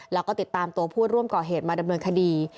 แล้วก็ติดตามตัวผู้ร่วมก่อเหตุมาดำเนินคดี